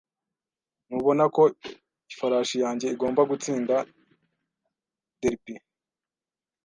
Ntubona ko ifarashi yanjye igomba gutsinda Derby?